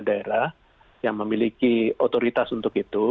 daerah yang memiliki otoritas untuk itu